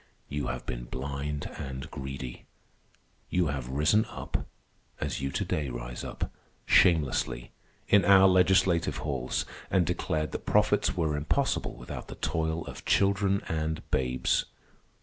You have been blind and greedy. You have risen up (as you to day rise up), shamelessly, in our legislative halls, and declared that profits were impossible without the toil of children and babes.